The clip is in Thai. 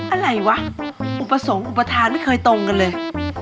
อะไรวะอุปสรรคอุปทานไม่เคยตรงกันเลย